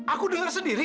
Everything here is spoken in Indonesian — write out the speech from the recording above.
aku dengar sedikit